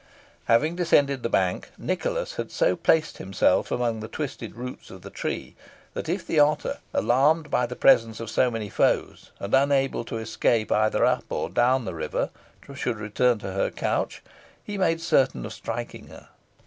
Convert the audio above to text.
Having descended the bank, Nicholas had so placed himself among the huge twisted roots of the tree, that if the otter, alarmed by the presence of so many foes, and unable to escape either up or down the river, should return to her couch, he made certain of striking her.